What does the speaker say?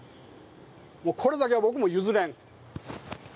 これだけは僕も譲れん。